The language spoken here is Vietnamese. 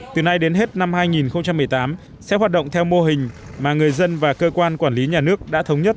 từ nay đến hết năm hai nghìn một mươi tám sẽ hoạt động theo mô hình mà người dân và cơ quan quản lý nhà nước đã thống nhất